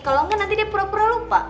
kalau enggak nanti dia pura pura lupa